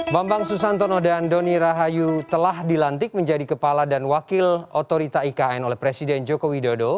bambang susantono dan doni rahayu telah dilantik menjadi kepala dan wakil otorita ikn oleh presiden joko widodo